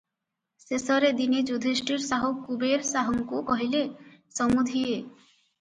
ଶେଷରେ ଦିନେ ଯୁଧିଷ୍ଠିର ସାହୁ କୁବେର ସାହୁଙ୍କୁ କହିଲେ, "ସମୁଧିଏ!